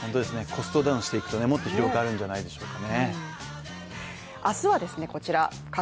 コストダウンしていくともっと広がるんじゃないでしょうか。